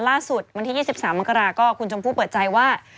ล่าสุดวันที่๒๓มกราก็คุณชมพู่เปิดใจว่า